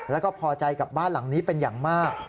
แล้วก็พอใจกับบ้านหลังนี้เป็นอย่างมาก